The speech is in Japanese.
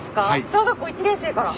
小学校１年生から。